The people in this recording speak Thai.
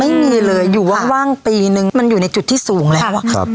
ไม่มีเลยค่ะอยู่ว่าว่างปีหนึ่งมันอยู่ในจุดที่สูงแหละครับครับ